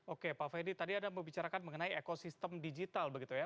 oke pak fedy tadi ada membicarakan mengenai ekosistem digital begitu ya